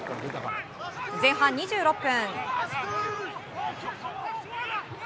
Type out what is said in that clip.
前半２６分。